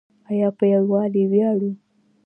آیا په یوالي ویاړو؟